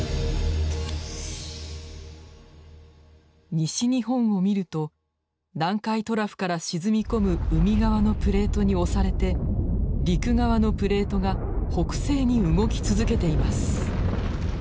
西日本を見ると南海トラフから沈み込む海側のプレートに押されて陸側のプレートが北西に動き続けています。